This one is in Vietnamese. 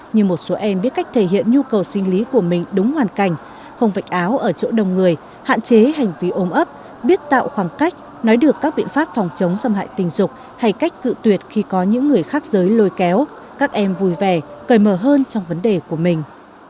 nhưng một số em biết cách thể hiện nhu cầu sinh lý của mình đúng hoàn cảnh không vệnh áo ở chỗ đông người hạn chế hành vi ôm ấp biết tạo khoảng cách nói được các biện pháp phòng chống xâm hại tình dục hay cách cự tuyệt khi có những người khác giới lôi kéo các em vui vẻ cười mờ hơn trong vấn đề của mình